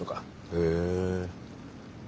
へえ。